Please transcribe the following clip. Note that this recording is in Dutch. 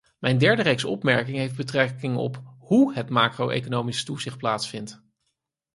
Mijn derde reeks opmerkingen heeft betrekking op hoe het macro-economisch toezicht plaatsvindt.